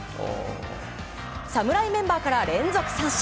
侍メンバーから連続三振。